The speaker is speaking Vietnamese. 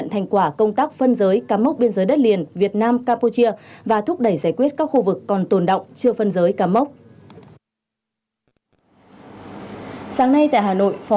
sáng nay bộ công an tổ chức hội nghị